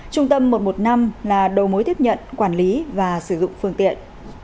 trung tâm một trăm một mươi năm là đầu mối tiếp nhận quản lý và sử dụng phương tiện